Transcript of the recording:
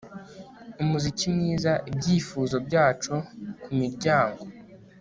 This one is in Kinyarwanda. Umuziki mwiza Ibyifuzo byacu kumiryango